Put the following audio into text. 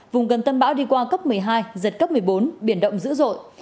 vùng gần tâm bão đi qua cấp một mươi hai giật cấp một mươi bốn biển động dữ dội